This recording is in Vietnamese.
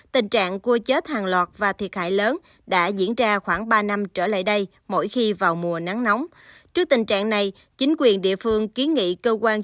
tình trạng cua chết hàng loạt và thiệt hại lớn đã diễn ra khoảng ba năm trước